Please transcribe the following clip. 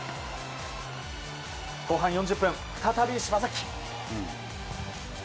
後半４０分、再び柴崎。